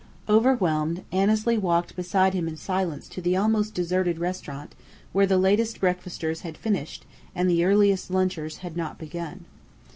Overwhelmed, Annesley walked beside him in silence to the almost deserted restaurant where the latest breakfasters had finished and the earliest lunchers had not begun.